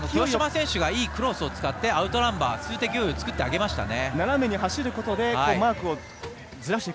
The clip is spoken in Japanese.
いいクロスを作ってアウトナンバー数的優位を作ってあげましたね。